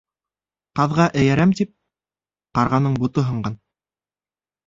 Ҡаҙға эйәрәм тип, ҡарғаның бото һынған.